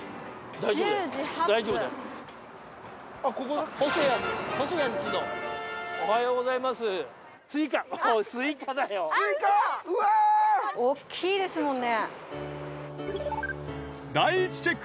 大きいですもんね。